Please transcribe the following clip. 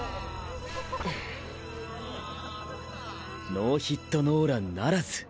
ノーヒットノーラン成らず。